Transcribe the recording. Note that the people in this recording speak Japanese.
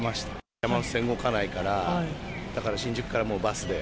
山手線動かないから、だから新宿から、もうバスで。